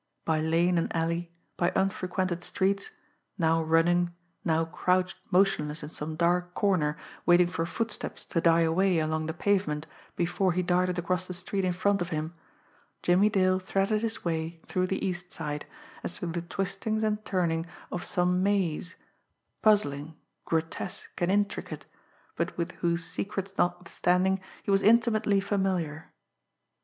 By lane and alley, by unfrequented streets, now running, now crouched motionless in some dark corner waiting for footsteps to die away along the pavement before he darted across the street in front of him, Jimmie Dale threaded his way through the East Side, as through the twistings and turning of some maze, puzzling, grotesque and intricate, but with whose secrets notwithstanding he was intimately familiar.